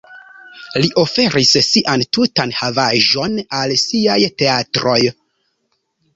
Li oferis sian tutan havaĵon al siaj teatroj.